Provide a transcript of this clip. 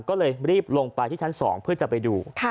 ก็เลยรีบลงไปที่ชั้น๒เพื่อจะไปดู